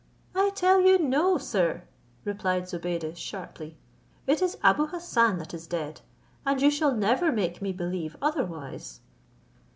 "I tell you no, sir," replied Zobeide sharply; "it is Abou Hassan that is dead, and you shall never make me believe otherwise."